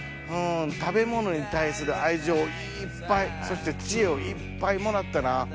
食べ物に対する愛情をいっぱいそして知恵をいっぱいもらったな。